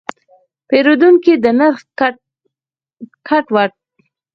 پیرودونکی د نرخ ټکټ وکت.